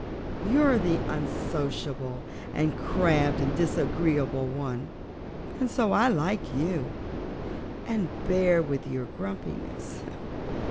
You're the unsociable and crabbed and disagreeable one, and so I like you, and bear with your grumpiness.